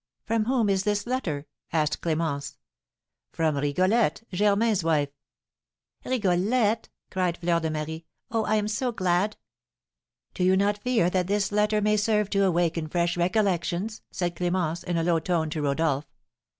"From whom is this letter?" asked Clémence. "From Rigolette, Germain's wife." "Rigolette?" cried Fleur de Marie. "Oh, I am so glad!" "Do you not fear that this letter may serve to awaken fresh recollections?" said Clémence, in a low tone to Rodolph.